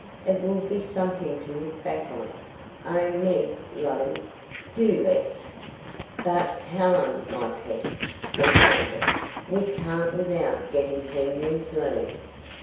It will be something to look back on. Oh, Meg lovey, do let's!" "But, Helen, my pet," said Margaret, "we can't without getting Henry's leave.